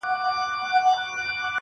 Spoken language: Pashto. • سیاه پوسي ده، مرگ خو یې زوی دی.